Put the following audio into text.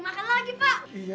mau dimotong juga